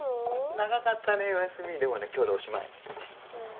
長かったねお休みでもね今日でおしまいえ